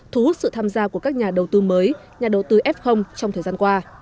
thu hút sự tham gia của các nhà đầu tư mới nhà đầu tư f trong thời gian qua